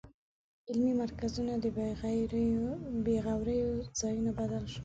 علمي مرکزونه د بېغوریو ځایونو بدل شول.